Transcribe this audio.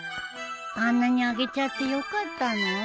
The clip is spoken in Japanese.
あんなにあげちゃってよかったの？